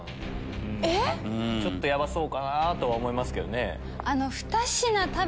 えっ⁉ヤバそうかなとは思いますけどね。